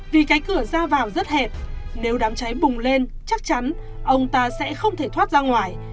vì cái cửa ra vào rất hẹp nếu đám cháy bùng lên chắc chắn ông ta sẽ không thể thoát ra ngoài